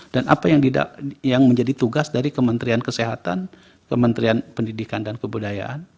dan apa yang menjadi tugas dari kementerian kesehatan kementerian pendidikan dan kebudayaan